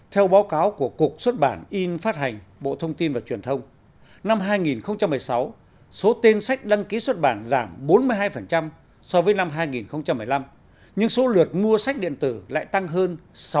theo báo cáo của cục xuất bản in phát hành bộ thông tin và truyền thông năm hai nghìn một mươi sáu số tên sách đăng ký xuất bản giảm bốn mươi hai so với năm hai nghìn một mươi năm nhưng số lượt mua sách điện tử lại tăng hơn sáu mươi